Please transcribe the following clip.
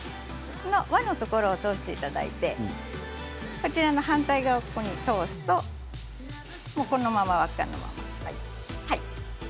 輪のところを通していただいて反対側を通すとこのまま輪っかの状態になりますね。